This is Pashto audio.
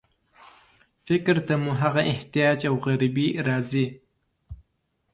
فکر ته مو هغه احتیاج او غریبي راځي.